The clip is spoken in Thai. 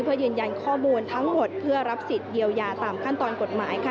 เพื่อยืนยันข้อมูลทั้งหมดเพื่อรับสิทธิ์เยียวยาตามขั้นตอนกฎหมายค่ะ